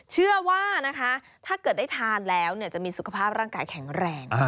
เชื่อว่านะคะถ้าเกิดได้ทานแล้วจะมีสุขภาพร่างกายแข็งแรง